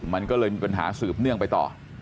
มันก็เลยมีปัญหาสืบเนื่องไปต่อ